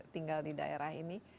tinggal di daerah ini